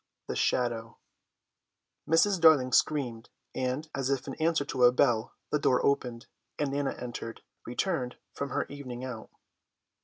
THE SHADOW Mrs. Darling screamed, and, as if in answer to a bell, the door opened, and Nana entered, returned from her evening out.